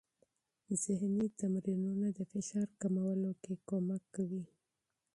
ذهني تمرینونه د فشار کمولو کې مرسته کوي.